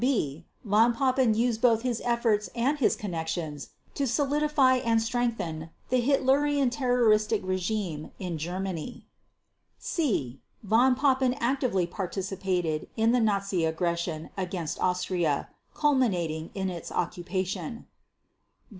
b) Von Papen used both his efforts and his connections to solidify and strengthen the Hitlerian terroristic regime in Germany. c) Von Papen actively participated in the Nazi aggression against Austria culminating in its occupation.